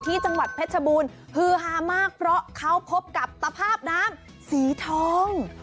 จังหวัดเพชรบูรณ์ฮือฮามากเพราะเขาพบกับตภาพน้ำสีทอง